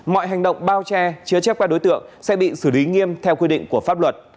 mọi hành động bao che chứa chấp qua đối tượng sẽ bị xử lý nghiêm theo quy định của pháp luật